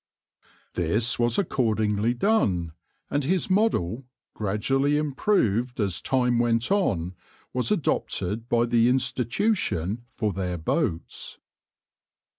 This was accordingly done, and his model, gradually improved as time went on, was adopted by the Institution for their boats.